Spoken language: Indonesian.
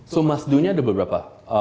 so must do nya ada beberapa